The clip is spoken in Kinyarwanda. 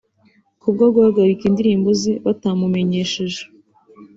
ku bwo guhagarika indirimbo ze batamumenyesheje